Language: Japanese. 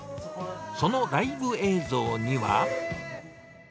そのライブ映像には。